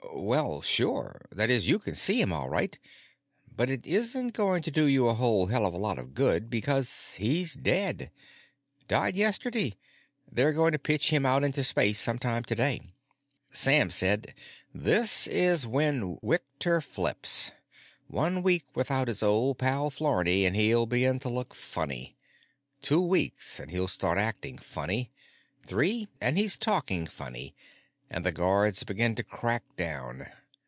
"Well, sure. That is, you can see him all right. But it isn't going to do you a whole hell of a lot of good, because he's dead. Died yesterday; they're going to pitch him out into space sometime today." Sam said, "This is when Whitker flips. One week without his old pal Flarney and he'll begin to look funny. Two weeks and he starts acting funny. Three and he's talking funny and the guards begin to crack down.